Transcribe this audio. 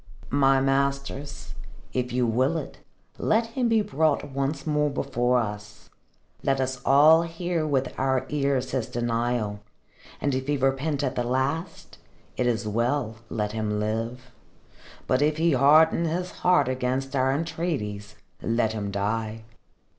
"My masters, if you will it, let him be brought once more before us. Let us all hear with our ears his denial, and if he repent at the last, it is well, let him live. But if he harden his heart against our entreaties, let him die.